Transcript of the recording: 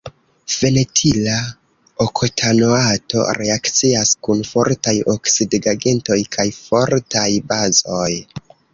Fenetila oktanoato reakcias kun fortaj oksidigagentoj kaj fortaj bazoj.